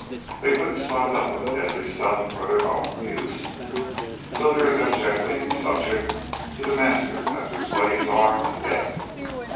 They couldn't stock up on the deadly stuff for their own use. So they're as abjectly subject to The Master as their slaves are to them.